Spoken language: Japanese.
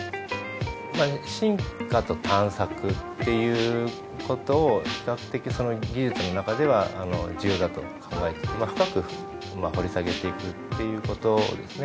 まあ深化と探索っていうことを比較的その技術の中ではあの重要だと考えていてまあ深く掘り下げていくっていうことですね。